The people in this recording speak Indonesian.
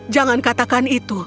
jangan katakan itu